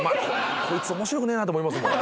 こいつ面白くねえなと思いますもん。